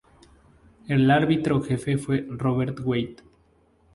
El árbitro jefe fue Robert Wade.